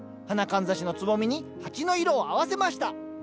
花かんざしのつぼみに鉢の色を合わせました。